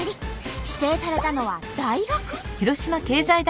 指定されたのは大学？